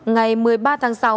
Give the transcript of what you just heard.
ngày một mươi ba tháng sáu